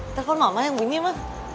telepon mama yang bunyi ma